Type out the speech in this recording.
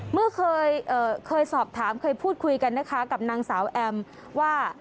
เมื่อเคยสอบถามเคยพูดคุยกันนะคะกับนางสาวแอมว่า